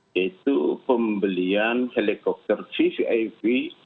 yaitu pembelian helikopter vvip